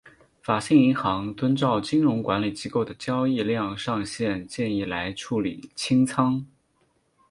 法兴银行遵照金融管理机构的交易量上限建议来处理清仓。